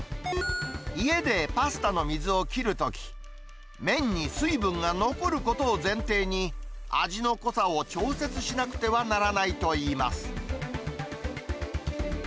家でパスタの水を切るとき、麺に水分が残ることを前提に、味の濃さを調節しなくてはならないといいます。